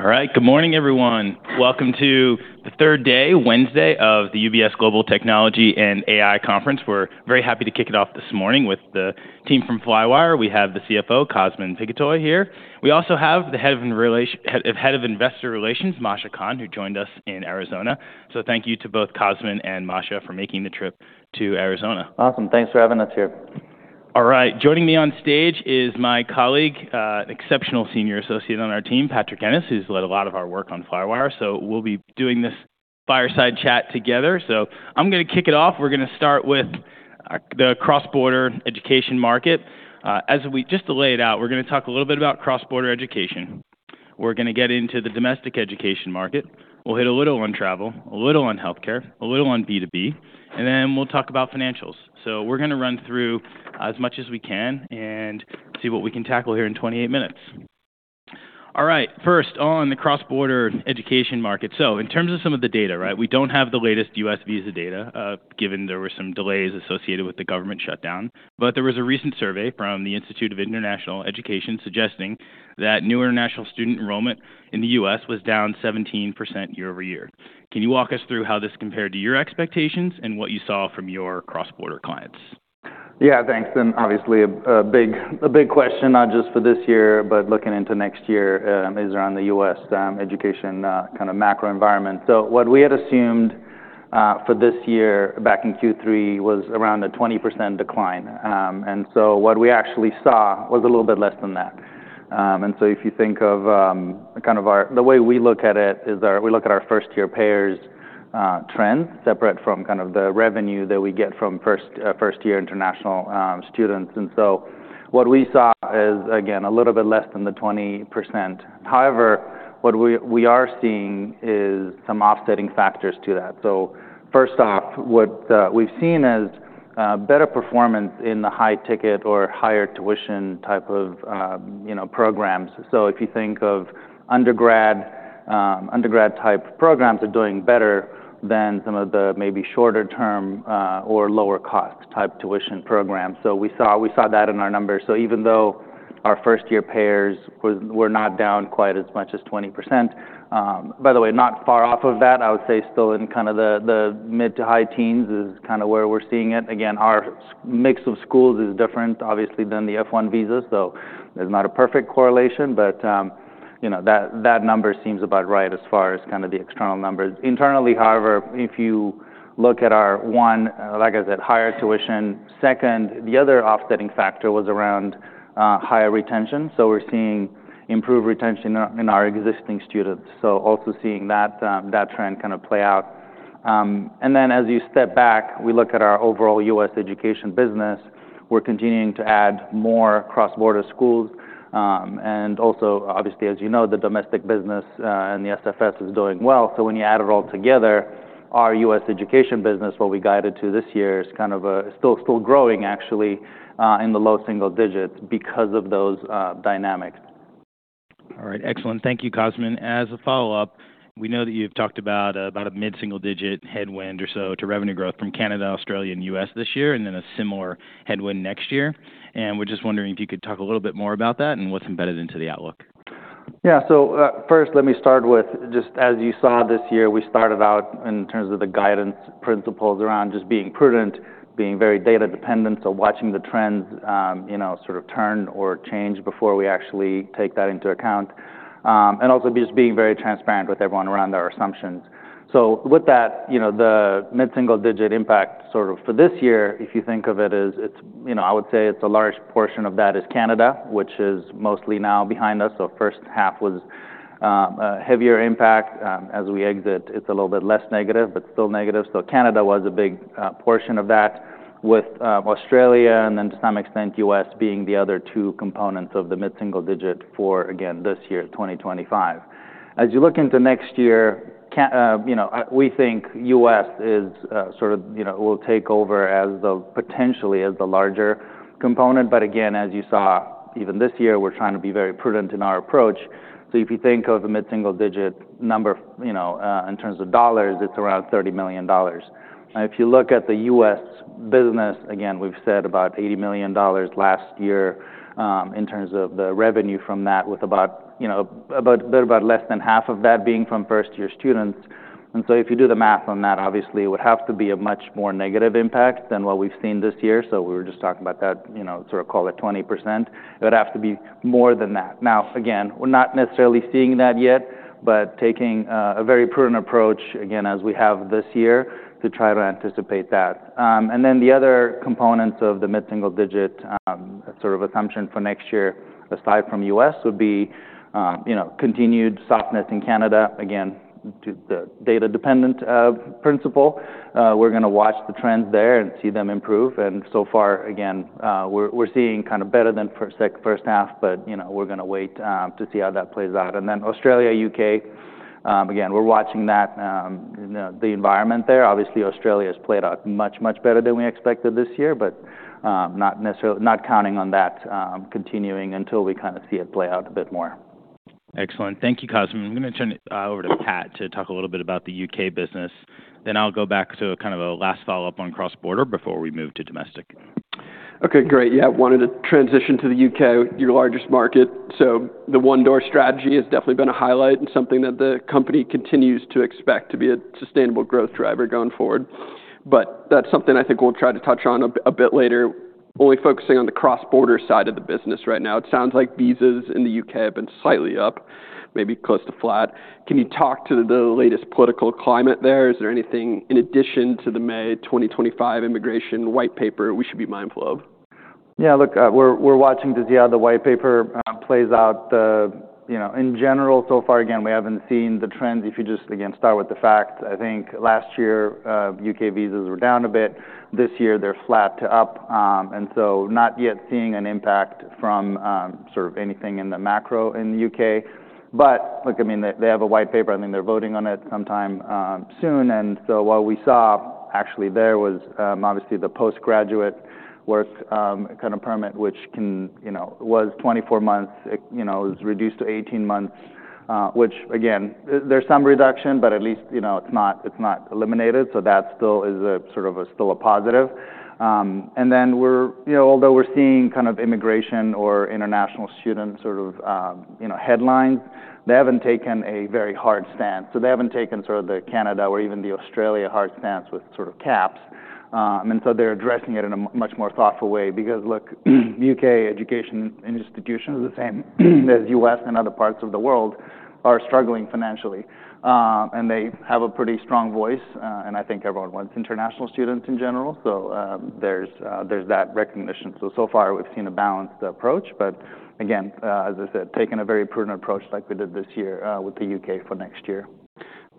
All right. Good morning, everyone. Welcome to the third day, Wednesday, of the UBS Global Technology and AI Conference. We're very happy to kick it off this morning with the team from Flywire. We have the CFO, Cosmin Pitigoi, here. We also have the head of investor relations, Masha Kahn, who joined us in Arizona. So thank you to both Cosmin and Masha for making the trip to Arizona. Awesome. Thanks for having us here. All right. Joining me on stage is my colleague, exceptional senior associate on our team, Patrick Ennis, who's led a lot of our work on Flywire. So we'll be doing this fireside chat together. So I'm going to kick it off. We're going to start with the cross-border education market. As we just laid out, we're going to talk a little bit about cross-border education. We're going to get into the domestic education market. We'll hit a little on travel, a little on health care, a little on B2B, and then we'll talk about financials. So we're going to run through as much as we can and see what we can tackle here in 28 minutes. All right. First, on the cross-border education market. So in terms of some of the data, right, we don't have the latest U.S. visa data, given there were some delays associated with the government shutdown. But there was a recent survey from the Institute of International Education suggesting that new international student enrollment in the U.S. was down 17% year-over-year. Can you walk us through how this compared to your expectations and what you saw from your cross-border clients? Yeah, thanks. And obviously, a big question not just for this year, but looking into next year is around the U.S. education kind of macro environment. So what we had assumed for this year back in Q3 was around a 20% decline. And so what we actually saw was a little bit less than that. And so if you think of kind of the way we look at it is we look at our first-year payers' trend separate from kind of the revenue that we get from first-year international students. And so what we saw is, again, a little bit less than the 20%. However, what we are seeing is some offsetting factors to that. So first off, what we've seen is better performance in the high-ticket or higher tuition type of programs. So if you think of undergrad type programs, they're doing better than some of the maybe shorter-term or lower-cost type tuition programs. So we saw that in our numbers. So even though our first-year payers were not down quite as much as 20%, by the way, not far off of that, I would say still in kind of the mid to high teens is kind of where we're seeing it. Again, our mix of schools is different, obviously, than the F-1 visa. So there's not a perfect correlation. But that number seems about right as far as kind of the external numbers. Internally, however, if you look at our one, like I said, higher tuition. Second, the other offsetting factor was around higher retention. So we're seeing improved retention in our existing students. So also seeing that trend kind of play out. And then as you step back, we look at our overall U.S. education business. We're continuing to add more cross-border schools. And also, obviously, as you know, the domestic business and the SFS is doing well. So when you add it all together, our U.S. education business, what we guided to this year, is kind of still growing, actually, in the low single digits because of those dynamics. All right. Excellent. Thank you, Cosmin. As a follow-up, we know that you've talked about a mid-single-digit headwind or so to revenue growth from Canada, Australia, and U.S. this year, and then a similar headwind next year. And we're just wondering if you could talk a little bit more about that and what's embedded into the outlook. Yeah. So first, let me start with just as you saw this year, we started out in terms of the guidance principles around just being prudent, being very data dependent, so watching the trends sort of turn or change before we actually take that into account, and also just being very transparent with everyone around our assumptions. So with that, the mid-single-digit impact sort of for this year, if you think of it, I would say it's a large portion of that is Canada, which is mostly now behind us. So first half was a heavier impact. As we exit, it's a little bit less negative, but still negative. So Canada was a big portion of that, with Australia and then, to some extent, U.S. being the other two components of the mid-single digit for, again, this year, 2025. As you look into next year, we think U.S. sort of will take over potentially as the larger component. But again, as you saw, even this year, we're trying to be very prudent in our approach. So if you think of the mid-single digit number in terms of dollars, it's around $30 million. If you look at the U.S. business, again, we've said about $80 million last year in terms of the revenue from that, with about a bit less than half of that being from first-year students. And so if you do the math on that, obviously, it would have to be a much more negative impact than what we've seen this year. So we were just talking about that, sort of call it 20%. It would have to be more than that. Now, again, we're not necessarily seeing that yet, but taking a very prudent approach, again, as we have this year, to try to anticipate that, and then the other components of the mid-single digit sort of assumption for next year, aside from U.S., would be continued softness in Canada. Again, the data dependent principle. We're going to watch the trends there and see them improve, and so far, again, we're seeing kind of better than first half, but we're going to wait to see how that plays out, and then Australia, U.K., again, we're watching that, the environment there. Obviously, Australia has played out much, much better than we expected this year, but not counting on that continuing until we kind of see it play out a bit more. Excellent. Thank you, Cosmin. I'm going to turn it over to Pat to talk a little bit about the U.K. business. Then I'll go back to kind of a last follow-up on cross-border before we move to domestic. OK, great. Yeah, wanted to transition to the U.K., your largest market. So the one-door strategy has definitely been a highlight and something that the company continues to expect to be a sustainable growth driver going forward. But that's something I think we'll try to touch on a bit later, only focusing on the cross-border side of the business right now. It sounds like visas in the U.K. have been slightly up, maybe close to flat. Can you talk to the latest political climate there? Is there anything in addition to the May 2025 immigration white paper we should be mindful of? Yeah, look, we're watching to see how the white paper plays out. In general, so far, again, we haven't seen the trends. If you just, again, start with the facts, I think last year, UK visas were down a bit. This year, they're flat to up, and so not yet seeing an impact from sort of anything in the macro in the UK, but look, I mean, they have a white paper. I think they're voting on it sometime soon, and so what we saw actually there was obviously the postgraduate work kind of permit, which was 24 months, was reduced to 18 months, which, again, there's some reduction, but at least it's not eliminated. So that still is sort of still a positive, and then although we're seeing kind of immigration or international student sort of headlines, they haven't taken a very hard stance. So they haven't taken sort of the Canada or even the Australia hard stance with sort of caps. And so they're addressing it in a much more thoughtful way because, look, U.K. education institutions, the same as U.S. and other parts of the world, are struggling financially. And they have a pretty strong voice. And I think everyone wants international students in general. So there's that recognition. So so far, we've seen a balanced approach. But again, as I said, taking a very prudent approach like we did this year with the U.K. for next year.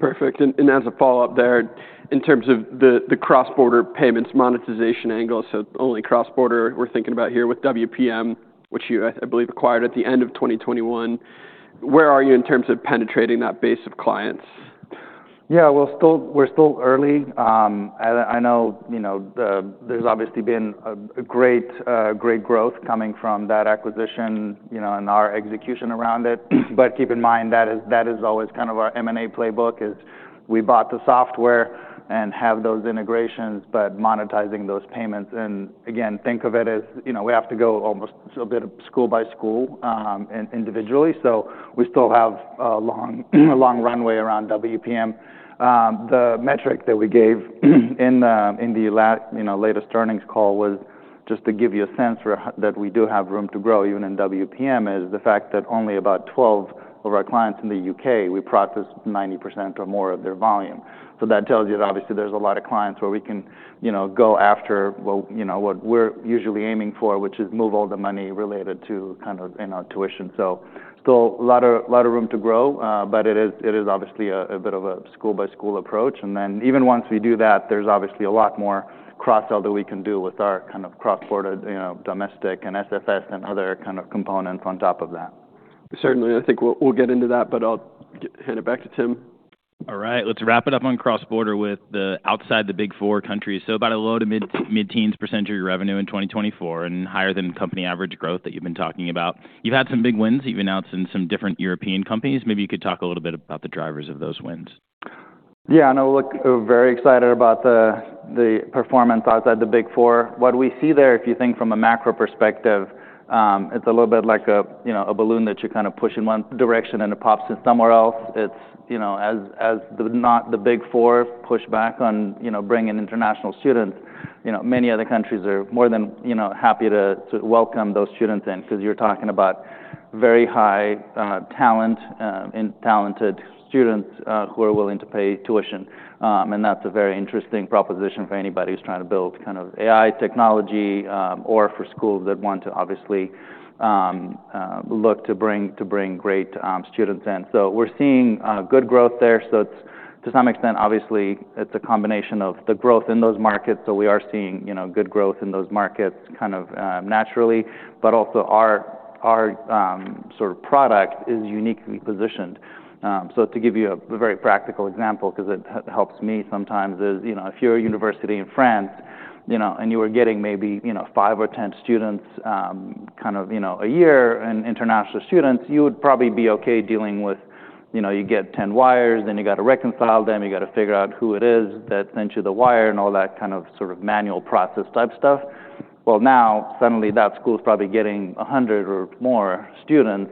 Perfect. And as a follow-up there, in terms of the cross-border payments monetization angle, so only cross-border, we're thinking about here with WPM, which you, I believe, acquired at the end of 2021. Where are you in terms of penetrating that base of clients? Yeah, well, we're still early. I know there's obviously been a great growth coming from that acquisition and our execution around it. But keep in mind that is always kind of our M&A playbook, is we bought the software and have those integrations, but monetizing those payments. And again, think of it as we have to go almost a bit school by school individually. So we still have a long runway around WPM. The metric that we gave in the latest earnings call was just to give you a sense that we do have room to grow even in WPM, is the fact that only about 12 of our clients in the UK, we process 90% or more of their volume. So that tells you that obviously there's a lot of clients where we can go after what we're usually aiming for, which is move all the money related to kind of tuition. So still a lot of room to grow. But it is obviously a bit of a school by school approach. And then even once we do that, there's obviously a lot more cross-sell that we can do with our kind of cross-border domestic and SFS and other kind of components on top of that. Certainly. I think we'll get into that, but I'll hand it back to Tim. All right. Let's wrap it up on cross-border with outside the Big Four countries. So about a low to mid-teens % of your revenue in 2024 and higher than company average growth that you've been talking about. You've had some big wins. You've announced in some different European companies. Maybe you could talk a little bit about the drivers of those wins. Yeah, I know. Look, we're very excited about the performance outside the Big Four. What we see there, if you think from a macro perspective, it's a little bit like a balloon that you kind of push in one direction and it pops in somewhere else. As the Big Four push back on bringing international students, many other countries are more than happy to welcome those students in because you're talking about very high talent and talented students who are willing to pay tuition. And that's a very interesting proposition for anybody who's trying to build kind of AI technology or for schools that want to obviously look to bring great students in. So we're seeing good growth there. So to some extent, obviously, it's a combination of the growth in those markets. So we are seeing good growth in those markets kind of naturally. But also our sort of product is uniquely positioned. So to give you a very practical example, because it helps me sometimes, is if you're a university in France and you were getting maybe five or 10 students kind of a year and international students, you would probably be OK dealing with you get 10 wires, then you've got to reconcile them, you've got to figure out who it is that sent you the wire, and all that kind of sort of manual process type stuff. Well, now suddenly that school is probably getting 100 or more students.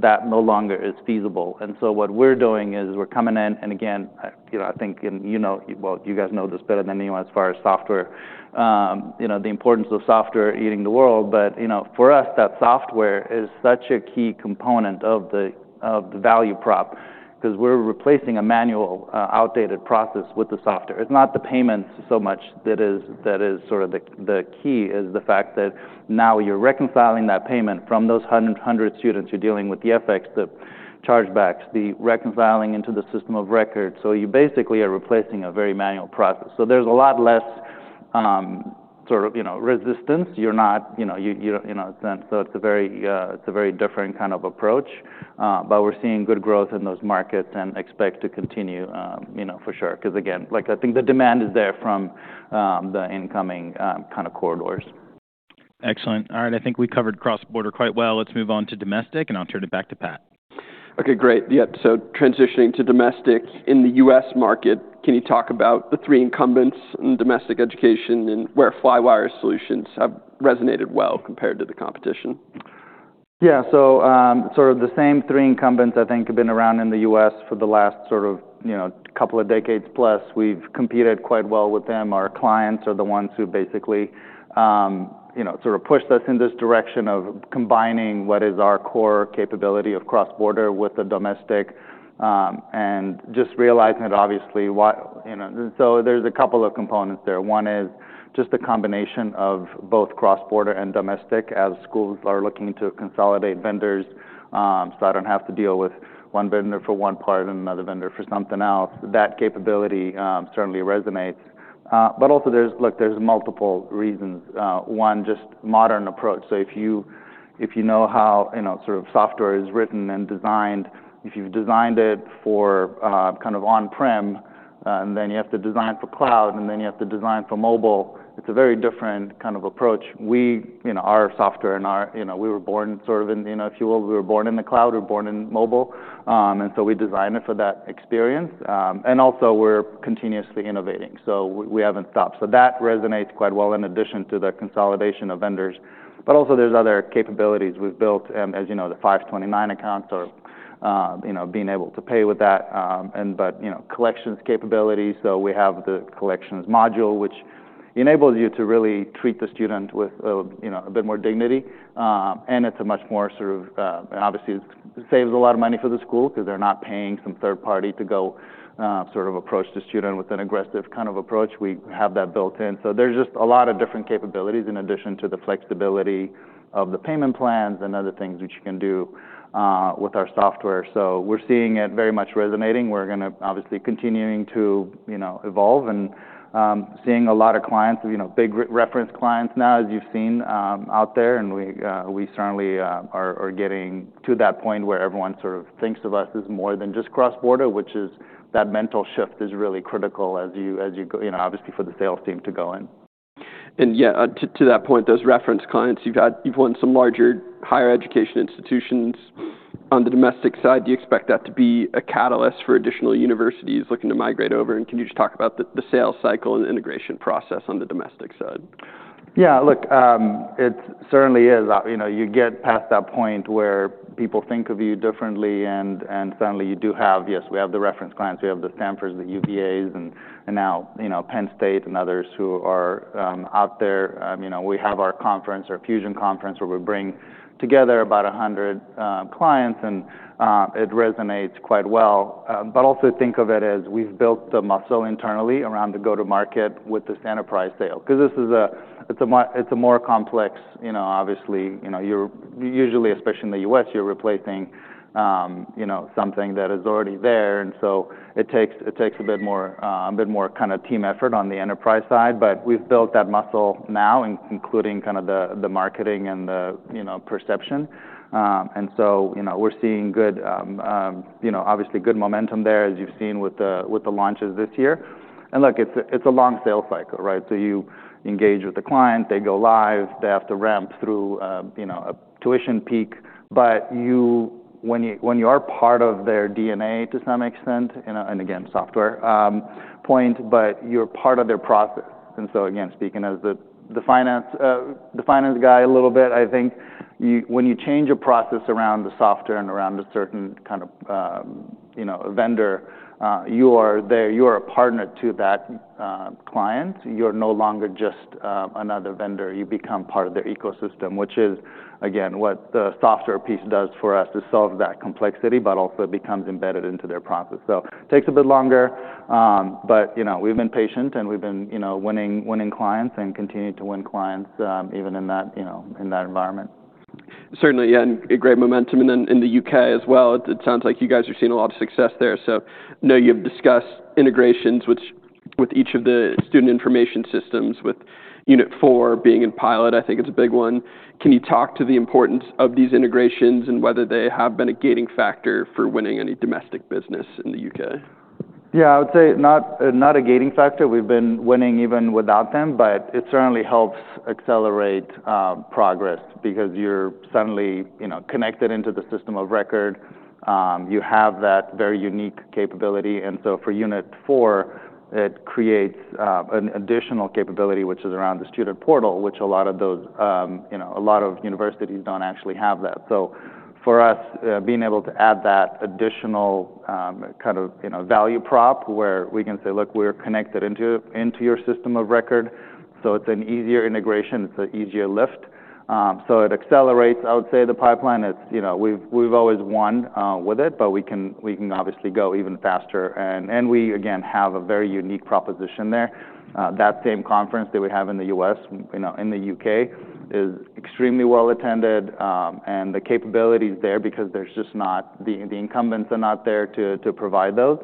That no longer is feasible. And so what we're doing is we're coming in. And again, I think, and you know you guys know this better than anyone as far as software, the importance of software eating the world. But for us, that software is such a key component of the value prop because we're replacing a manual outdated process with the software. It's not the payments so much that is sort of the key, is the fact that now you're reconciling that payment from those 100 students you're dealing with, the FX, the chargebacks, the reconciling into the system of record. So you basically are replacing a very manual process. So there's a lot less sort of resistance. You're not, you know, so it's a very different kind of approach. But we're seeing good growth in those markets and expect to continue for sure because, again, I think the demand is there from the incoming kind of corridors. Excellent. All right. I think we covered cross-border quite well. Let's move on to domestic, and I'll turn it back to Pat. OK, great. Yeah, so transitioning to domestic. In the U.S. market, can you talk about the three incumbents in domestic education and where Flywire Solutions have resonated well compared to the competition? Yeah, so sort of the same three incumbents, I think, have been around in the U.S. for the last sort of couple of decades plus. We've competed quite well with them. Our clients are the ones who basically sort of pushed us in this direction of combining what is our core capability of cross-border with the domestic and just realizing that, obviously, so there's a couple of components there. One is just a combination of both cross-border and domestic as schools are looking to consolidate vendors so I don't have to deal with one vendor for one part and another vendor for something else. That capability certainly resonates. But also, look, there's multiple reasons. One, just modern approach. If you know how software is written and designed, if you've designed it for on-prem, and then you have to design for cloud, and then you have to design for mobile, it's a very different kind of approach. Our software, and we were born sort of in, if you will, we were born in the cloud, we were born in mobile. And so we designed it for that experience. And also, we're continuously innovating. So we haven't stopped. So that resonates quite well in addition to the consolidation of vendors. But also, there's other capabilities we've built. And as you know, the 529 accounts are being able to pay with that. But collections capability, so we have the collections module, which enables you to really treat the student with a bit more dignity. It's a much more sort of, and obviously, it saves a lot of money for the school because they're not paying some third party to go sort of approach the student with an aggressive kind of approach. We have that built in. So there's just a lot of different capabilities in addition to the flexibility of the payment plans and other things which you can do with our software. So we're seeing it very much resonating. We're going to obviously continue to evolve and seeing a lot of clients, big reference clients now, as you've seen out there. And we certainly are getting to that point where everyone sort of thinks of us as more than just cross-border, which is that mental shift is really critical, obviously, for the sales team to go in. And yeah, to that point, those reference clients. You've won some larger higher education institutions. On the domestic side, do you expect that to be a catalyst for additional universities looking to migrate over? And can you just talk about the sales cycle and integration process on the domestic side? Yeah, look, it certainly is. You get past that point where people think of you differently, and suddenly you do have, yes, we have the reference clients. We have the Stanfords, the UVAs, and now Penn State and others who are out there. We have our conference, our fusion conference, where we bring together about 100 clients. And it resonates quite well, but also think of it as we've built the muscle internally around the go-to-market with this enterprise sale. Because this is a more complex, obviously, usually, especially in the U.S., you're replacing something that is already there. And so it takes a bit more kind of team effort on the enterprise side, but we've built that muscle now, including kind of the marketing and the perception. And so we're seeing obviously good momentum there, as you've seen with the launches this year. Look, it's a long sales cycle, right? You engage with the client, they go live, they have to ramp through a tuition peak. When you are part of their DNA to some extent, and again, software point, but you're part of their process. Again, speaking as the finance guy a little bit, I think when you change your process around the software and around a certain kind of vendor, you are a partner to that client. You're no longer just another vendor. You become part of their ecosystem, which is, again, what the software piece does for us to solve that complexity, but also it becomes embedded into their process. It takes a bit longer. We've been patient, and we've been winning clients and continue to win clients even in that environment. Certainly, yeah, and great momentum. And then in the UK as well, it sounds like you guys are seeing a lot of success there. So I know you've discussed integrations with each of the student information systems, with Unit4 being in pilot. I think it's a big one. Can you talk to the importance of these integrations and whether they have been a gating factor for winning any domestic business in the UK? Yeah, I would say not a gating factor. We've been winning even without them. But it certainly helps accelerate progress because you're suddenly connected into the system of record. You have that very unique capability. And so for Unit4, it creates an additional capability, which is around the student portal, which a lot of those universities don't actually have that. So for us, being able to add that additional kind of value prop where we can say, look, we're connected into your system of record. So it's an easier integration. It's an easier lift. So it accelerates, I would say, the pipeline. We've always won with it, but we can obviously go even faster. And we, again, have a very unique proposition there. That same conference that we have in the UK is extremely well attended. And the capabilities there, because there's just not the incumbents are not there to provide those,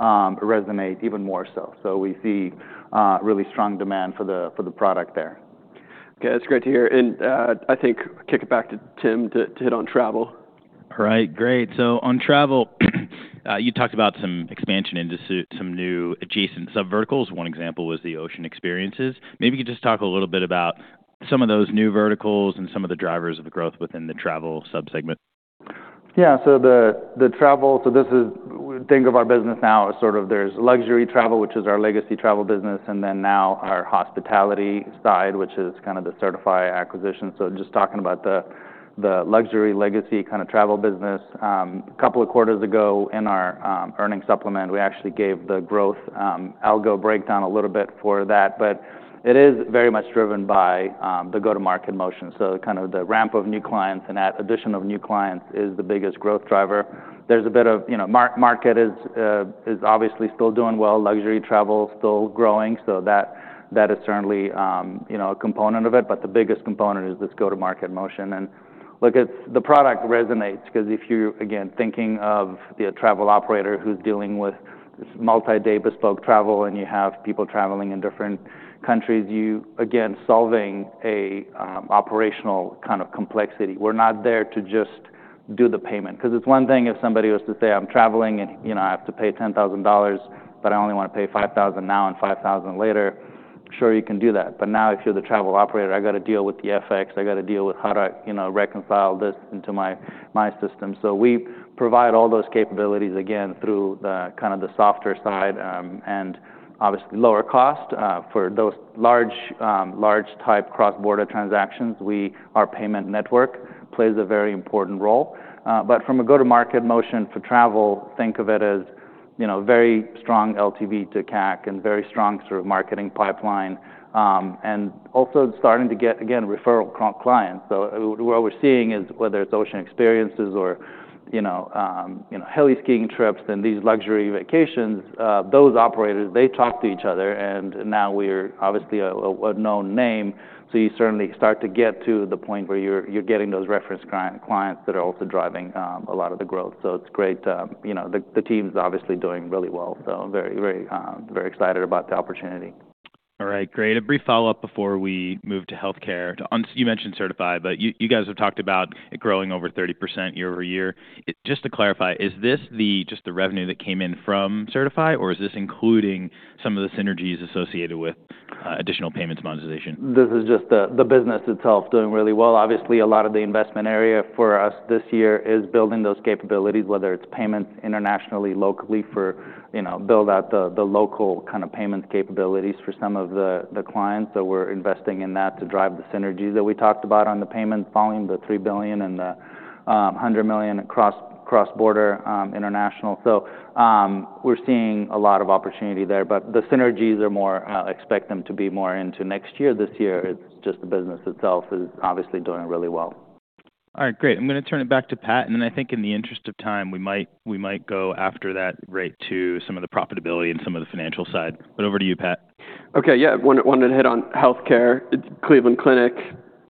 resonate even more so. So we see really strong demand for the product there. OK, that's great to hear. And I think kick it back to Tim to hit on travel. All right, great. So on travel, you talked about some expansion into some new adjacent sub-verticals. One example was the ocean experiences. Maybe you could just talk a little bit about some of those new verticals and some of the drivers of the growth within the travel subsegment? Yeah, so the travel. So this is. Think of our business now as sort of there's luxury travel, which is our legacy travel business, and then now our hospitality side, which is kind of the Sertifi acquisition. So just talking about the luxury legacy kind of travel business, a couple of quarters ago in our earnings supplement, we actually gave the growth algo breakdown a little bit for that. But it is very much driven by the go-to-market motion. So kind of the ramp of new clients and addition of new clients is the biggest growth driver. There's a bit of market is obviously still doing well. Luxury travel is still growing. So that is certainly a component of it. But the biggest component is this go-to-market motion. Look, the product resonates because if you're, again, thinking of the travel operator who's dealing with multi-day bespoke travel, and you have people traveling in different countries, you again solving an operational kind of complexity. We're not there to just do the payment. Because it's one thing if somebody was to say, I'm traveling, and I have to pay $10,000, but I only want to pay $5,000 now and $5,000 later. Sure, you can do that. But now if you're the travel operator, I've got to deal with the FX. I've got to deal with how do I reconcile this into my system. So we provide all those capabilities, again, through kind of the software side and obviously lower cost. For those large-type cross-border transactions, our payment network plays a very important role. But from a go-to-market motion for travel, think of it as very strong LTV to CAC and very strong sort of marketing pipeline. And also starting to get, again, referral clients. So what we're seeing is whether it's ocean experiences or heli-skiing trips and these luxury vacations, those operators, they talk to each other. And now we are obviously a known name. So you certainly start to get to the point where you're getting those reference clients that are also driving a lot of the growth. So it's great. The team's obviously doing really well. So very excited about the opportunity. All right, great. A brief follow-up before we move to health care. You mentioned Sertifi, but you guys have talked about growing over 30% year-over-year. Just to clarify, is this just the revenue that came in from Sertifi, or is this including some of the synergies associated with additional payments monetization? This is just the business itself doing really well. Obviously, a lot of the investment area for us this year is building those capabilities, whether it's payments internationally, locally for build out the local kind of payments capabilities for some of the clients. So we're investing in that to drive the synergies that we talked about on the payment volume, the $3 billion and the $100 million cross-border international. So we're seeing a lot of opportunity there. But the synergies are more expect them to be more into next year. This year, it's just the business itself is obviously doing really well. All right, great. I'm going to turn it back to Pat. And then I think in the interest of time, we might go after that right to some of the profitability and some of the financial side. But over to you, Pat. OK, yeah, wanted to hit on health care. It's Cleveland Clinic,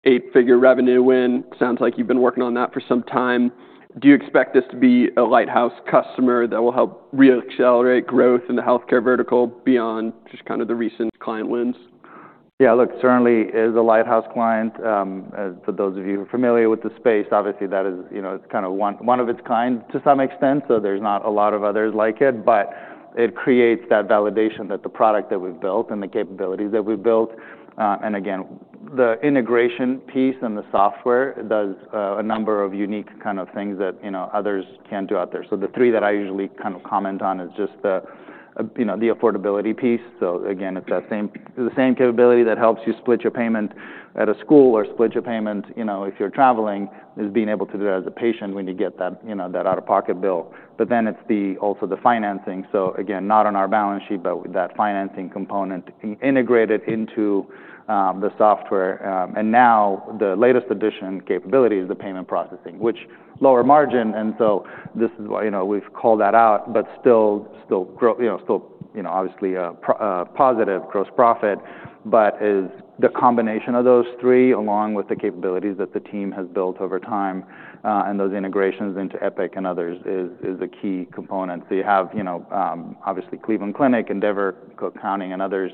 eight-figure revenue win. Sounds like you've been working on that for some time. Do you expect this to be a lighthouse customer that will help re-accelerate growth in the health care vertical beyond just kind of the recent client wins? Yeah, look, certainly is a lighthouse client. For those of you who are familiar with the space, obviously that is kind of one of its kind to some extent. So there's not a lot of others like it. But it creates that validation that the product that we've built and the capabilities that we've built. And again, the integration piece and the software does a number of unique kind of things that others can't do out there. So the three that I usually kind of comment on is just the affordability piece. So again, it's the same capability that helps you split your payment at a school or split your payment if you're traveling, is being able to do that as a patient when you get that out-of-pocket bill. But then it's also the financing. So again, not on our balance sheet, but that financing component integrated into the software. And now the latest additional capability is the payment processing, which is lower margin. And so we've called that out, but still obviously a positive gross profit. But the combination of those three, along with the capabilities that the team has built over time and those integrations into Epic and others, is a key component. So you have obviously Cleveland Clinic, Endeavor, Cook County, and others.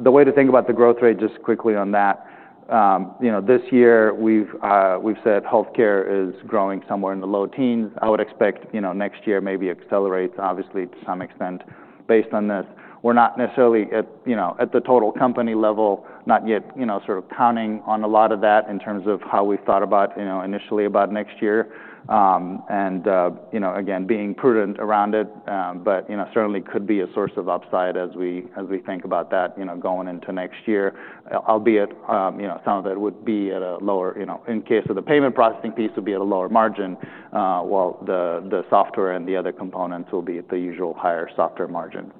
The way to think about the growth rate, just quickly on that, this year we've said health care is growing somewhere in the low teens. I would expect next year maybe accelerates, obviously, to some extent based on this. We're not necessarily at the total company level, not yet sort of counting on a lot of that in terms of how we've thought about initially about next year. And again, being prudent around it. But certainly could be a source of upside as we think about that going into next year, albeit some of it would be at a lower margin in case of the payment processing piece, while the software and the other components will be at the usual higher software margin.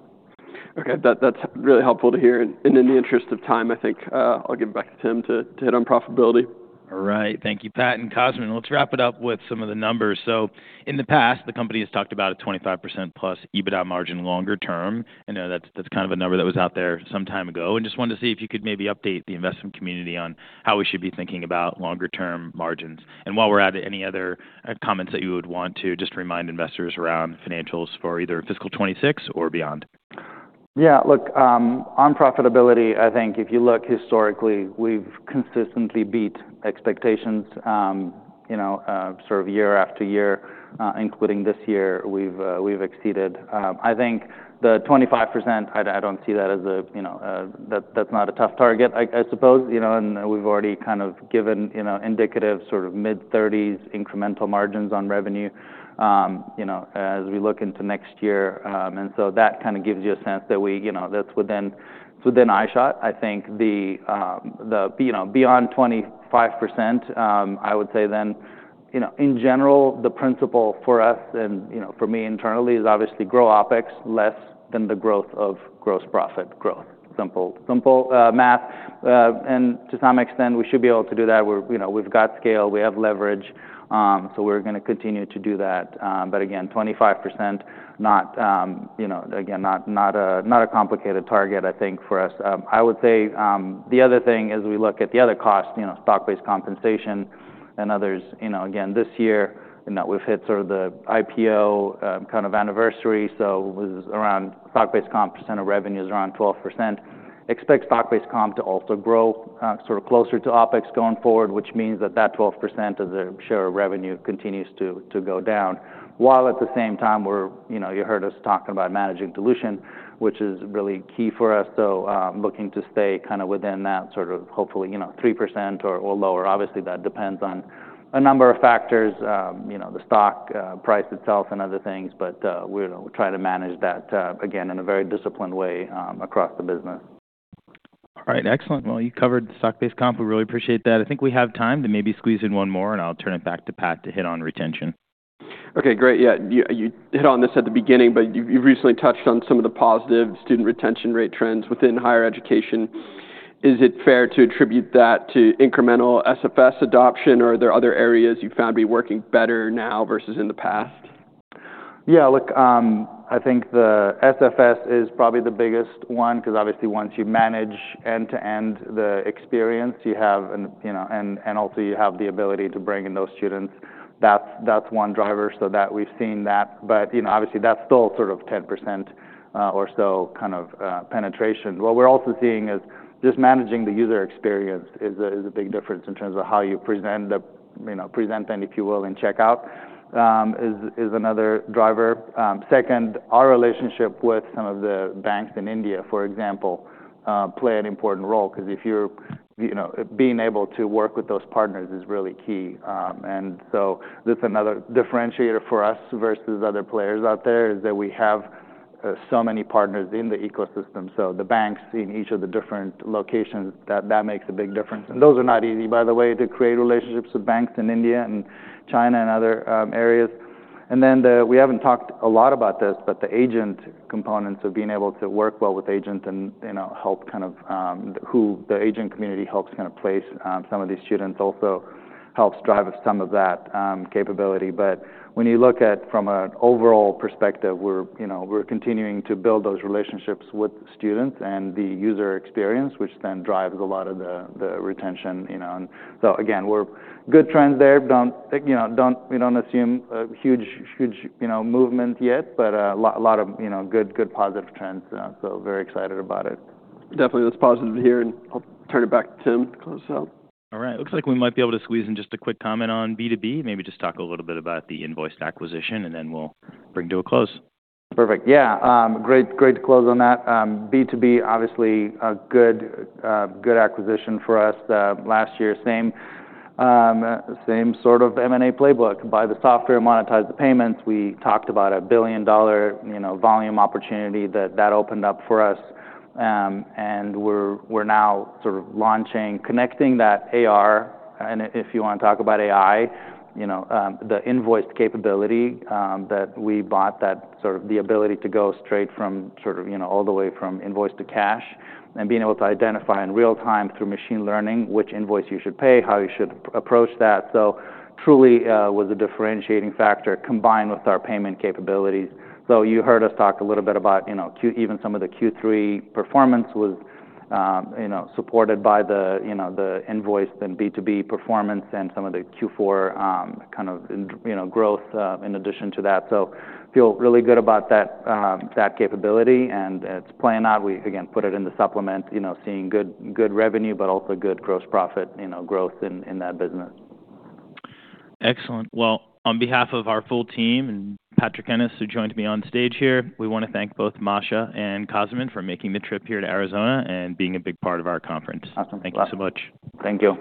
OK, that's really helpful to hear. And in the interest of time, I think I'll give it back to Tim to hit on profitability. All right, thank you, Pat. And Cosmin, let's wrap it up with some of the numbers. In the past, the company has talked about a 25% plus EBITDA margin longer term. And that's kind of a number that was out there some time ago. And just wanted to see if you could maybe update the investment community on how we should be thinking about longer-term margins. And while we're at it, any other comments that you would want to just remind investors around financials for either fiscal 2026 or beyond? Yeah, look, on profitability, I think if you look historically, we've consistently beat expectations sort of year after year, including this year. We've exceeded. I think the 25%, I don't see that as a that's not a tough target, I suppose. And we've already kind of given indicative sort of mid-30s incremental margins on revenue as we look into next year. And so that kind of gives you a sense that that's within eyeshot. I think the beyond 25%, I would say then, in general, the principle for us and for me internally is obviously grow OpEx less than the growth of gross profit growth. Simple math. And to some extent, we should be able to do that. We've got scale. We have leverage. So we're going to continue to do that. But again, 25%, again, not a complicated target, I think, for us. I would say the other thing as we look at the other cost, stock-based compensation and others, again, this year, we've hit sort of the IPO kind of anniversary. So it was around stock-based comp percent of revenue is around 12%. Expect stock-based comp to also grow sort of closer to OpEx going forward, which means that that 12% as a share of revenue continues to go down. While at the same time, you heard us talking about managing dilution, which is really key for us. So looking to stay kind of within that sort of hopefully 3% or lower. Obviously, that depends on a number of factors, the stock price itself and other things. But we'll try to manage that, again, in a very disciplined way across the business. All right, excellent. Well, you covered stock-based comp. We really appreciate that. I think we have time. Then maybe squeeze in one more, and I'll turn it back to Pat to hit on retention. OK, great. Yeah, you hit on this at the beginning, but you've recently touched on some of the positive student retention rate trends within higher education. Is it fair to attribute that to incremental SFS adoption, or are there other areas you found to be working better now versus in the past? Yeah, look, I think the SFS is probably the biggest one because obviously once you manage end-to-end the experience, you have, and also you have the ability to bring in those students. That's one driver. So that we've seen that. But obviously, that's still sort of 10% or so kind of penetration. What we're also seeing is just managing the user experience is a big difference in terms of how you present, if you will, and checkout is another driver. Second, our relationship with some of the banks in India, for example, play an important role. Because if you're being able to work with those partners is really key. And so that's another differentiator for us versus other players out there is that we have so many partners in the ecosystem. So the banks in each of the different locations, that makes a big difference. And those are not easy, by the way, to create relationships with banks in India and China and other areas. And then we haven't talked a lot about this, but the agent components of being able to work well with agents and help kind of who the agent community helps kind of place some of these students also helps drive some of that capability. But when you look at from an overall perspective, we're continuing to build those relationships with students and the user experience, which then drives a lot of the retention. So again, we're good trends there. We don't assume a huge movement yet, but a lot of good positive trends. So very excited about it. Definitely, that's positive to hear, and I'll turn it back to Tim to close this out. All right, it looks like we might be able to squeeze in just a quick comment on B2B. Maybe just talk a little bit about the invoice acquisition, and then we'll bring to a close. Perfect. Yeah, great close on that. B2B, obviously a good acquisition for us. Last year, same sort of M&A playbook. Buy the software, monetize the payments. We talked about a $1 billion volume opportunity that opened up for us. And we're now sort of launching, connecting that AR. And if you want to talk about AI, the invoice capability that we bought, that sort of the ability to go straight from sort of all the way from invoice to cash and being able to identify in real time through machine learning which invoice you should pay, how you should approach that. So truly was a differentiating factor combined with our payment capabilities. So you heard us talk a little bit about even some of the Q3 performance was supported by the invoice and B2B performance and some of the Q4 kind of growth in addition to that. So feel really good about that capability. And it's playing out. We, again, put it in the supplement, seeing good revenue, but also good gross profit growth in that business. Excellent. On behalf of our full team and Patrick Ennis who joined me on stage here, we want to thank both Masha and Cosmin for making the trip here to Arizona and being a big part of our conference. Awesome. Thank you so much. Thank you.